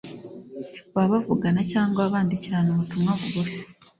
baba bavugana cyangwa bandikirana ubutumwa bugufi.